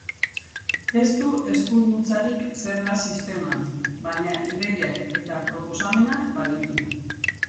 Ez du eskuduntzarik zerga sisteman, baina ideiak eta proposamenak baditu.